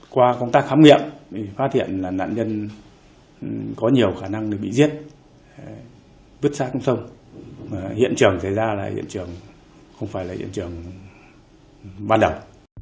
qua công tác khám nghiệm phát hiện là nạn nhân có nhiều khả năng bị giết vứt xa sông sông hiện trường xảy ra là hiện trường không phải là hiện trường ban đầu